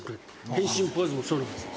変身ポーズもそうなんです。